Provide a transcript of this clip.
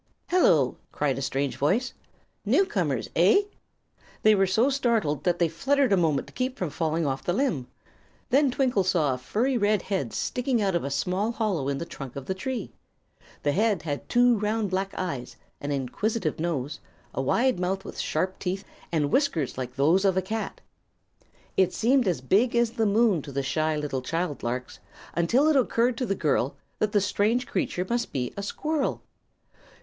"Hello!" cried a strange voice. "Newcomers, eh?" They were so startled that they fluttered a moment to keep from tumbling off the limb. Then Twinkle saw a furry red head sticking out of a small hollow in the trunk of the tree. The head had two round black eyes, an inquisitive nose, a wide mouth with sharp teeth and whiskers like those of a cat. It seemed as big as the moon to the shy little child larks, until it occurred to the girl that the strange creature must be a squirrel.